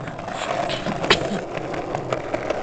Sin embargo, se pueden hacer hipótesis alternativas.